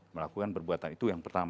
melakukan perbuatan itu yang pertama